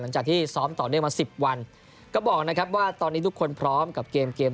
หลังจากที่ซ้อมต่อเนื่องมาสิบวันก็บอกนะครับว่าตอนนี้ทุกคนพร้อมกับเกมเกม